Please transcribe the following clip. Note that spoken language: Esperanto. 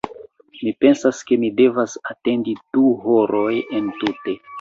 Mi pensas ke mi devas atendi du horoj entute